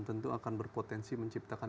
tentu akan berpotensi menciptakan